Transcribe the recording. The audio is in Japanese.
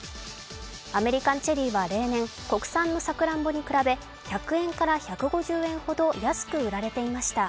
アメリカンチェリーは例年、国産のさくらんぼに比べ１００円から１５０円ほど安く売られていました。